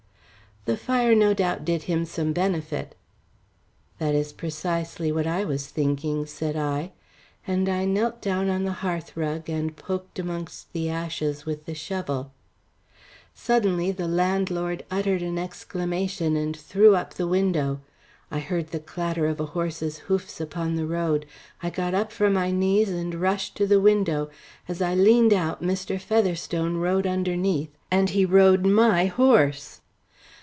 "The fire no doubt did him some benefit." "That is precisely what I was thinking," said I, and I knelt down on the hearth rug and poked amongst the ashes with the shovel. Suddenly, the landlord uttered an exclamation and threw up the window. I heard the clatter of a horse's hoofs upon the road. I got up from my knees and rushed to the window. As I leaned out Mr. Featherstone rode underneath and he rode my horse.